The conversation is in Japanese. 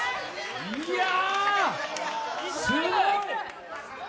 いや、すごい。